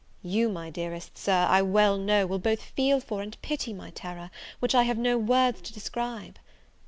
You, my dearest Sir, I well know, will both feel for and pity my terror, which I have no words to describe.